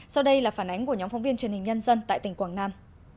sau đây là phản ánh của nhóm phóng viên truyền hình nhân dân tại tỉnh quảng nam